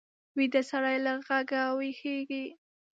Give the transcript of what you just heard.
ویده سړی له غږه ویښېږي